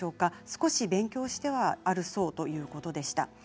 少し勉強してはあるそうだということでした。